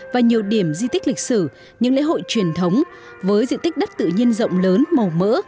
và nhiều điểm di tích lịch sử những lễ hội truyền thống với diện tích đất tự nhiên rộng lớn màu mỡ